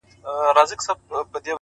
د شپې نيمي كي-